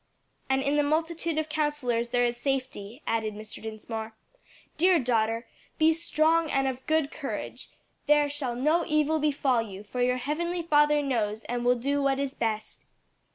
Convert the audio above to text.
"And in the multitude of counsellors there is safety," added Mr. Dinsmore. "Dear daughter, 'be strong and of a good courage;' there shall no evil befall you, for your heavenly Father knows, and will do what is best."